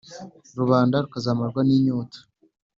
rubanda rukazamarwa n’inyota.